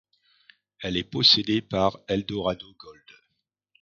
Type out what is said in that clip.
Elle est possédée par Eldorado Gold.